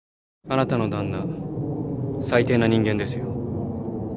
あなたの旦那最低な人間ですよ。